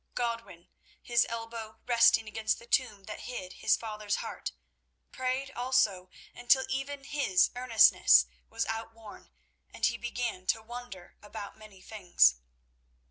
Godwin, his elbow resting against the tomb that hid his father's heart, prayed also, until even his earnestness was outworn, and he began to wonder about many things.